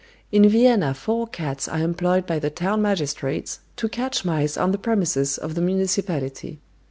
In Vienna four cats are employed by the town magistrates to catch mice on the premises of the municipality.